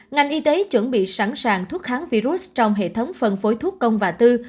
ngành y tế chuẩn bị sẵn sàng thuốc kháng virus trong hệ thống phân phối thuốc công và tư